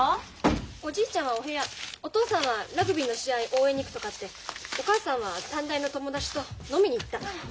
おじいちゃんはお部屋お父さんはラグビーの試合応援に行くとかってお母さんは短大の友達と飲みに行った。